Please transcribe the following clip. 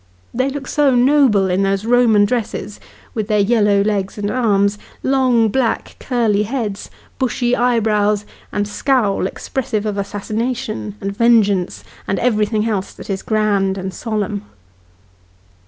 They look so noble in those Roman dresses, with their yellow legs and arms, long black curly heads, bushy eye brows, and scowl expressive of assassination, and vengeance, and everything else that is grand and solemn.